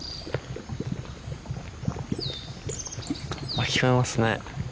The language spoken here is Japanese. あっ聞こえますね。